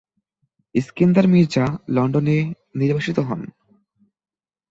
ইস্কান্দার মির্জা লন্ডনে নির্বাসিত হন।